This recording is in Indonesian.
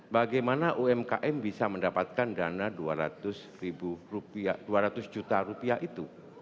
bagaimana umkm bisa mendapatkan dana dua ratus juta rupiah itu